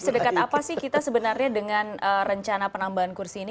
sedekat apa sih kita sebenarnya dengan rencana penambahan kursi ini